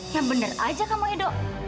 ya bener aja kamu edo